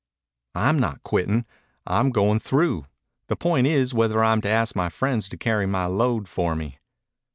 "I'm not quitting. I'm going through. The point is whether I'm to ask my friends to carry my load for me."